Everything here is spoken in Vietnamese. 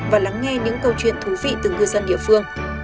và lắng nghe những câu chuyện thú vị từng cư dân địa phương